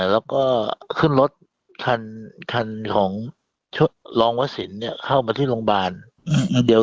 แล้วก็ขึ้นรถขันขงชุดรองพระสินเนี่ยเข้ามันมาที่โรงพยาบาล